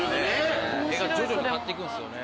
絵が徐々に変わっていくんすよね。